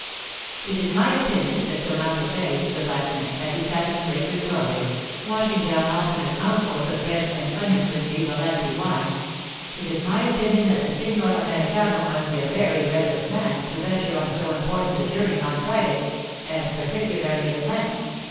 'It is my opinion,' said Tommaso Ferri, the blacksmith, as he sat in the baker's doorway, washing down alternate mouthfuls of bread and onion with Vivalanti wine—'it is my opinion that the Signor Americano must be a very reckless man to venture on so important a journey on Friday—and particularly in Lent.